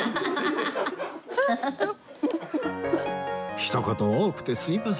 ひと言多くてすみません